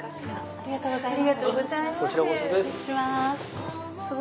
ありがとうございます。